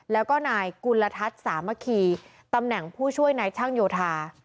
แล้วก็นายกุลทัศน์สามัคคีตำแหน่งผู้ช่วยนายช่างโยธา